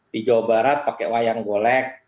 di jawa barat pakai wayang golek